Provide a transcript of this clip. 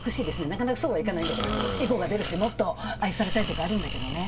なかなかそうはいかないんだけどエゴが出るし、もっと愛されたいとかあるんだけどね。